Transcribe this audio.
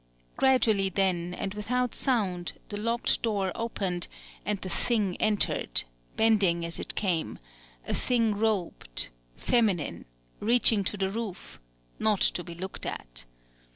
Gradually then, and without sound, the locked door opened; and the Thing entered, bending as it came, a thing robed, feminine, reaching to the roof, not to be looked at!